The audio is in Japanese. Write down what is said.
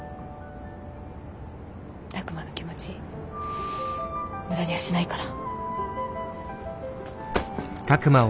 拓真の気持ち無駄にはしないから。